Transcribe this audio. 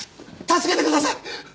助けてください！